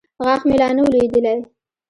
غاښ مې لا نه و لوېدلى.